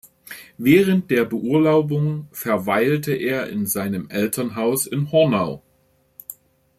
Während der Beurlaubung verweilte er in seinem Elternhaus in Hornau.